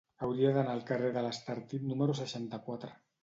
Hauria d'anar al carrer de l'Estartit número seixanta-quatre.